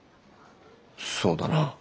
そうだな。